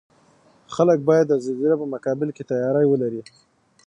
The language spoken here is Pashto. خلک باید د زلزلې په مقابل کې تیاری ولري